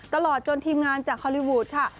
ตลอดจนทีมงานจากฮอลลี่วูดค่ะ